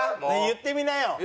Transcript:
言ってみなよ。